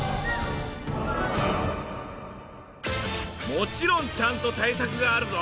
もちろんちゃんと対策があるぞ。